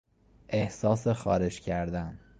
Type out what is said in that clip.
احساس خارش کردن